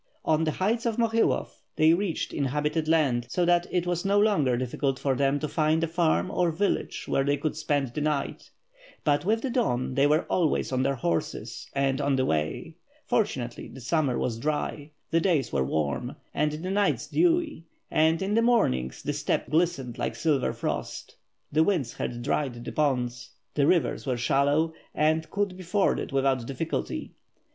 On the heights of Mohilov, they reached inhabitated land, so that it was no longer difficult for them to find a fann or village where they could spend the night, but with the dawn they were always on their horses, and on the way. Fortunately the summer was dry, the days were warm, and the nights dewy, and in the morning the steppes glistened like silver frost. The winds had dried the ponds; the rivers were shallow, and could be forded without diffi culty.